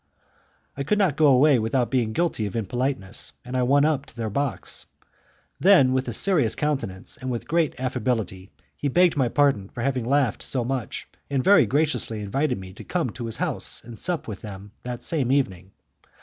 "I could not go away without being guilty of impoliteness, and I went up to their box. Then, with a serious countenance and with great affability, he begged my pardon for having laughed so much, and very graciously invited me to come to his house and sup with them that same evening.